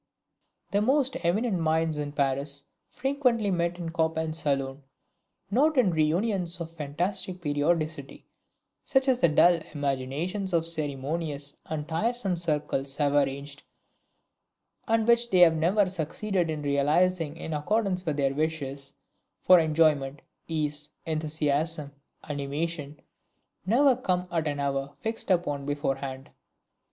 The most eminent minds in Paris frequently met in Chopin's saloon. Not in reunions of fantastic periodicity, such as the dull imaginations of ceremonious and tiresome circles have arranged, and which they have never succeeded in realizing in accordance with their wishes, for enjoyment, ease, enthusiasm, animation, never come at an hour fixed upon before hand.